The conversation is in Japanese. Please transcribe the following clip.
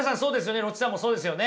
ロッチさんもそうですよね。